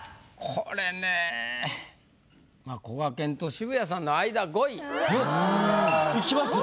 これねこがけんと渋谷さんの間５位。いきます？